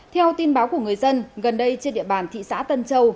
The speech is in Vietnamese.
theo tin báo của người dân gần đây trên địa bàn thị xã tân châu